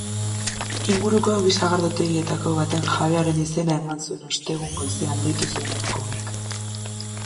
Inguruko bi sagardotegietako baten jabearen izena eman zuen ostegun goizean deitu zuen emakumeak.